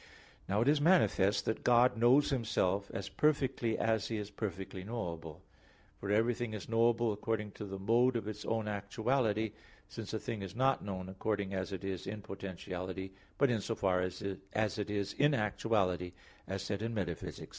Now it is manifest that God knows Himself as perfectly as He is perfectly knowable. For everything is knowable according to the mode of its own actuality; since a thing is not known according as it is in potentiality, but in so far as it is in actuality, as said in Metaph. ix.